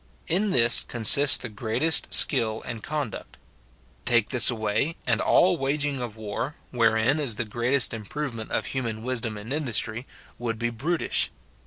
In this consists the greatest skill and conduct. Take this away, and all waging of war, wherein is the greatest im provement of human wisdom and industry, would be brutish.